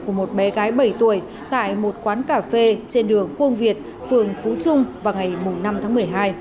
của một bé gái bảy tuổi tại một quán cà phê trên đường quang việt phường phú trung vào ngày năm tháng một mươi hai